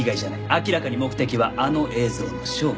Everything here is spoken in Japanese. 明らかに目的はあの映像の消去。